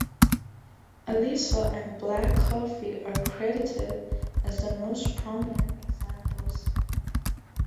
Alisa and Black Coffee are credited as the most prominent examples.